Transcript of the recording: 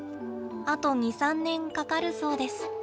あと２３年かかるそうです。